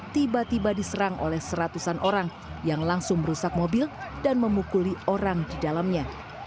tiba tiba diserang oleh seratusan orang yang langsung merusak mobil dan memukuli orang di dalamnya